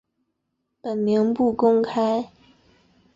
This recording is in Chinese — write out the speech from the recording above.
本名不公开。